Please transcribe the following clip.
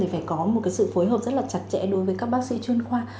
phải có một sự phối hợp rất là chặt chẽ đối với các bác sĩ chuyên khoa